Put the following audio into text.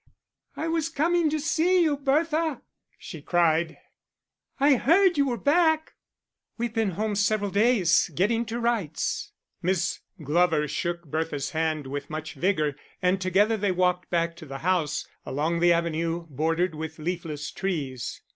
"I was coming to see you, Bertha," she cried. "I heard you were back." "We've been home several days, getting to rights." Miss Clover shook Bertha's hand with much vigour, and together they walked back to the house, along the avenue bordered with leafless trees.